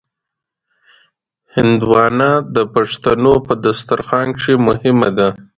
هندوانه د پښتنو په دسترخوان کې مهمه ده.